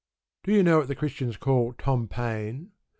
Do you know what the Christians call Tom Paine?